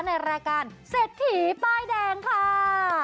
ในรายการเศรษฐีป้ายแดงค่ะ